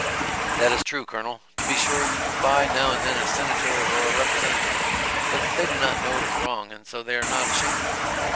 "That is true, Colonel. To be sure you can buy now and then a Senator or a Representative but they do not know it is wrong, and so they are not ashamed of it.